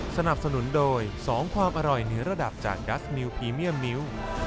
สนับสนุนโดย๒ความอร่อยเหนือระดับจากดัสนิวพรีเมียมมิ้ว